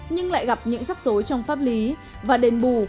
nhưng lại gặp những rắc rối trong pháp lý và đền bù